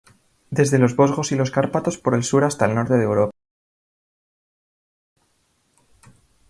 Desde los Vosgos y los Cárpatos por el sur hasta el norte de Europa.